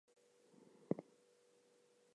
I’m not entirely sure whether that’s correct.